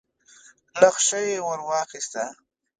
نخشه يې ور واخيسه.